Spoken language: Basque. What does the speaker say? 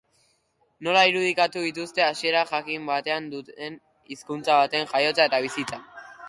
Nola irudikatu dituzue hasiera jakin bat duen hizkuntza baten jaiotza eta bizitza?